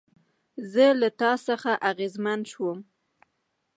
زه له تا څخه اغېزمن شوم